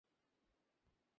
বাইরে আসবেন না!